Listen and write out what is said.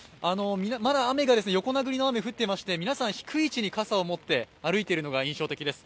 まだ横殴りの雨が降っていまして、皆さん低い位置に傘を持って歩いているのが印象的です。